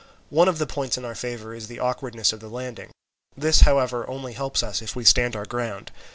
One of the points in our favour is the awkwardness of the landing. This, however, only helps us if we stand our ground.